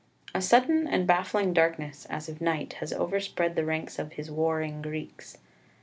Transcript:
A sudden and baffling darkness as of night has overspread the ranks of his warring Greeks.